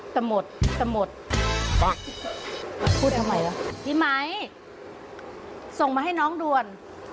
แต่หมดพี่ไม้ส่งมาให้น้องด่วน